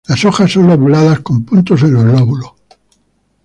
Las hojas son lobuladas con puntos en los lóbulos.